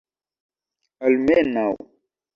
almenaŭ